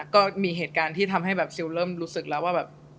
ก็มีเหตุการณ์ที่ทำให้แบบซิลเริ่มรู้สึกแล้วว่าแบบ